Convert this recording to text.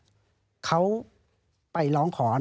ปีอาทิตย์ห้ามีส